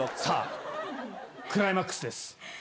さぁクライマックスです。